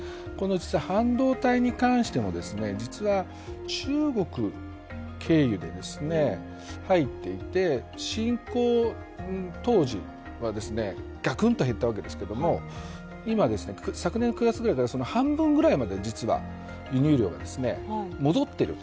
半導体に関しても実は、中国経由で入っていて侵攻当時はがくんと減ったわけですけれども今、昨年９月ぐらいから半分ぐらい実は輸入量が戻っていると。